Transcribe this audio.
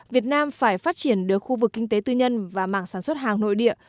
việt nam phải phát triển được khu vực kinh tế tư nhân và mảng sản xuất hàng nội địa